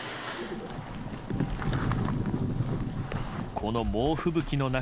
この猛吹雪の中